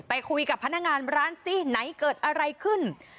ไปคุยกับพนักงานร้านซิไหนเกิดอะไรขึ้น